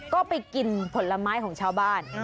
ก็ไปกินผลไม้ของชาวบ้าน